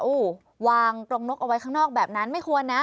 วางกรงนกเอาไว้ข้างนอกแบบนั้นไม่ควรนะ